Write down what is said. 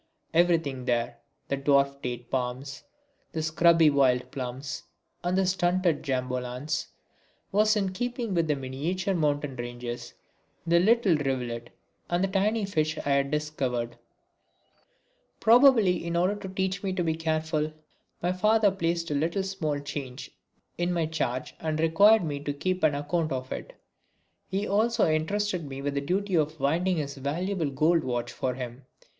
Everything there, the dwarf date palms, the scrubby wild plums and the stunted jambolans, was in keeping with the miniature mountain ranges, the little rivulet and the tiny fish I had discovered. [Illustration: Singing to My Father] Probably in order to teach me to be careful my father placed a little small change in my charge and required me to keep an account of it. He also entrusted me with the duty of winding his valuable gold watch for him.